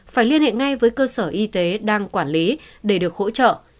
phải liên hệ ngay với cơ sở y tế đang quản lý để được hỗ trợ